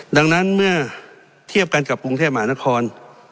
ดังนั้นเมื่อเทียบกันกับกรุงเทพมหานคร